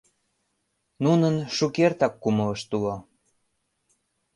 Нунын шукертак кумылышт уло.